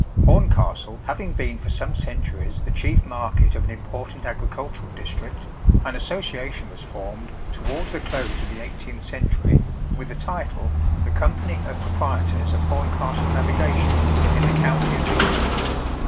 Horncastle having been for some centuries the chief market of an important agricultural district, an association was formed towards the close of the 18th century, with the title "The Company of Proprietors of Horncastle Navigation, in the County of Lincoln."